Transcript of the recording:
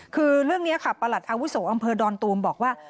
คือเรื่องนี้ค่ะประหลัดอาวุโสอำเภอดอนตูมบอกว่า